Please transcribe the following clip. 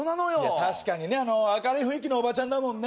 確かにね明るい雰囲気のおばちゃんだもんね